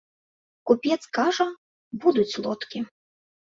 Купец кажа, будуць лодкі!